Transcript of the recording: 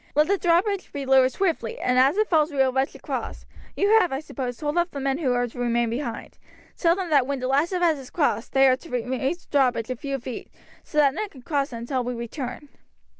Let the drawbridge be lowered swiftly, and as it falls we will rush across. You have, I suppose, told off the men who are to remain behind. Tell them that when the last of us have crossed they are to raise the drawbridge a few feet, so that none can cross it until we return."